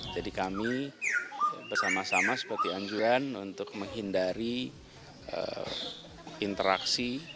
jadi kami bersama sama seperti anjuran untuk menghindari interaksi